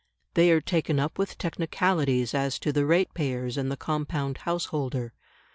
They are taken up with technicalities as to the ratepayers and the compound householder.